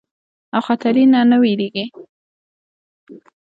او خطري نه نۀ ويريږي